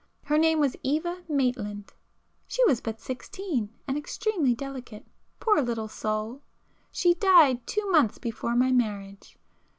Her name was Eva Maitland—she was but sixteen and extremely delicate—poor little soul! she died two months before my marriage.